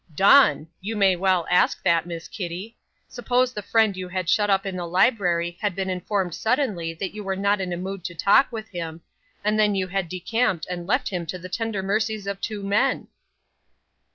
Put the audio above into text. "Done! You may well ask what, Miss Kitty. Suppose the friend you had shut up in the library had been informed suddenly that you were not in a mood to talk with him, and then you had decamped and left him to the tender mercies of two men?"